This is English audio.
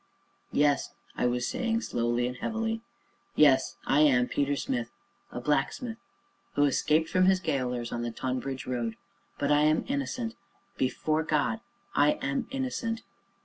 "Yes," I was saying, slowly and heavily; "yes, I am Peter Smith a blacksmith who escaped from his gaolers on the Tonbridge Road but I am innocent before God I am innocent.